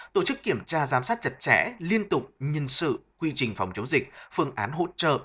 tổ chức kiểm tra giám sát chặt chẽ liên tục nhân sự quy trình phòng chống dịch phương án hỗ trợ